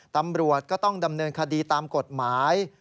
ตำรวจก็ต้องดำเนินคดีตามกฎหมาย